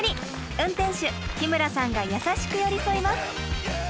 運転手日村さんが優しく寄り添います。